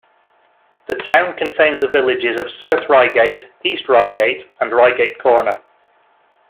The town contains the villages of South Ryegate, East Ryegate, and Ryegate Corner.